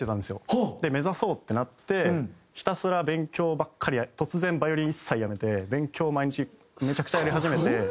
目指そうってなってひたすら勉強ばっかり突然バイオリン一切辞めて勉強を毎日めちゃくちゃやり始めて。